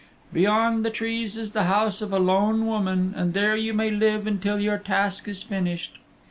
Beyond the trees is the house of a lone woman, and there you may live until your task is finished."